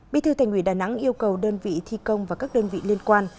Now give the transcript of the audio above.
bí thư thành ủy đà nẵng yêu cầu đơn vị thi công và các đơn vị liên quan